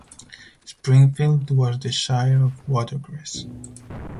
Springfield was the sire of Watercress.